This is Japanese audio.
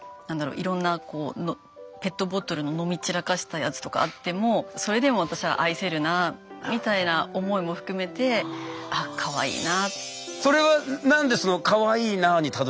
いろんなペットボトルの飲み散らかしたやつとかあってもそれでも私は愛せるなぁみたいな思いも含めてそれは何で「かわいいなぁ」にたどりついたんですか？